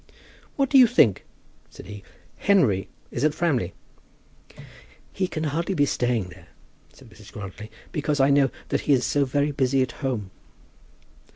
"What do you think?" said he; "Henry is at Framley." "He can hardly be staying there," said Mrs. Grantly, "because I know that he is so very busy at home."